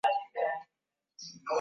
wa hewa unaweza kutoka moja kwa moja